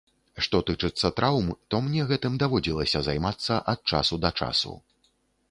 Што тычыцца траўм, то мне гэтым даводзілася займацца ад часу да часу.